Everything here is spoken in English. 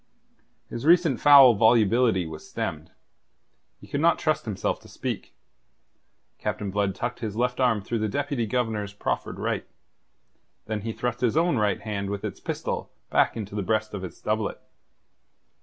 His recent foul volubility was stemmed. He could not trust himself to speak. Captain Blood tucked his left arm through the Deputy Governor's proffered right. Then he thrust his own right hand with its pistol back into the breast of his doublet.